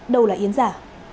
đâu là yến giả